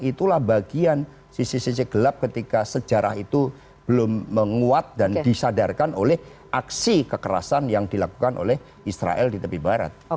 itulah bagian sisi sisi gelap ketika sejarah itu belum menguat dan disadarkan oleh aksi kekerasan yang dilakukan oleh israel di tepi barat